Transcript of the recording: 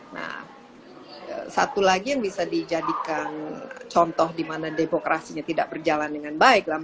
nah satu lagi yang bisa dijadikan contoh di mana demokrasinya tidak berjalan dengan baik